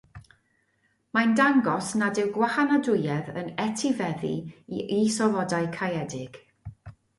Mae'n dangos nad yw gwahanadwyedd yn etifeddu i is-ofodau caeëdig.